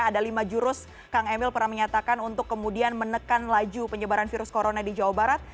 ada lima jurus kang emil pernah menyatakan untuk kemudian menekan laju penyebaran virus corona di jawa barat